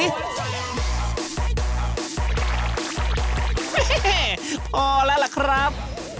พอแล้วล่ะครับ